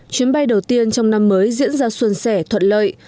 chuyến bay đầu tiên trong năm mới diễn ra xuân sẻ thuận lợi